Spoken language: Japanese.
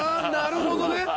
なるほどね！